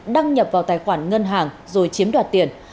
đăng nhập vào tài khoản ngân hàng rồi chiếm đoạt tiền